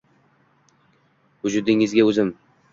Vujudingda o’zim.